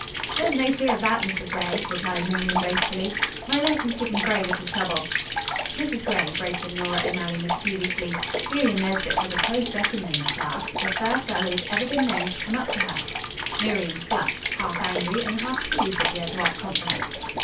"There's no fear of that, Mrs. Gray," replied Miriam boastfully. "My lessons give me very little trouble." "Mrs. Gray," broke in Nora O'Malley mischievously, "Miriam Nesbit has a close second in the class. The first girl who has ever been known to come up to her." Miriam flushed, half angry and half pleased at the adroit compliment.